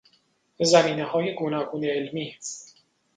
زمینههای گوناگون علمی